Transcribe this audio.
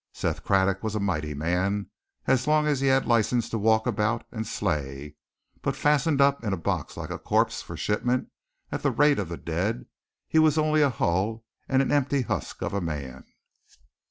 Seth Craddock was a mighty man as long as he had a license to walk about and slay, but fastened up in a box like a corpse for shipment at the rate of the dead, he was only a hull and an empty husk of a man.